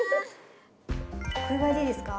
これぐらいでいいですか？